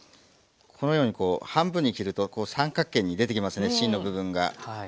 このようにこう半分に切るとこう三角形に出てきますね芯の部分が。